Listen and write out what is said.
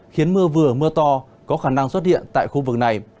khiến mưa vừa mưa to có khả năng xuất hiện tại khu vực này